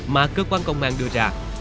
mà cơ quan công an đưa ra